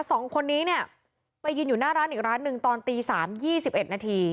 สองคนนี้เนี่ยไปยืนอยู่หน้าร้านอีกร้านหนึ่งตอนตีสามยี่สิบเอ็ดนาที